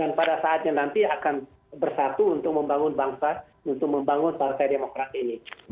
dan pada saatnya nanti akan bersatu untuk membangun bangsa untuk membangun partai demokrasi ini